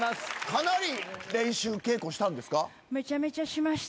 かなり練習稽古したんですか？